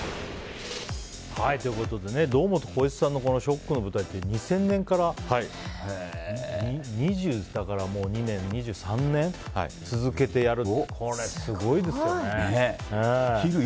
堂本光一さんの「ＳＨＯＣＫ」の舞台って２０００年から、もう２３年続けてやるってすごいですよね。